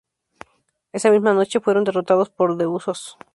Esa misma noche, fueron derrotados por The Usos.